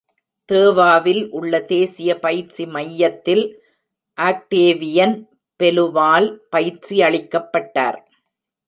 தேவாவில் உள்ள தேசிய பயிற்சி மையத்தில், ஆக்டேவியன் பெலுவால் பயிற்சியளிக்கப்பட்டார்.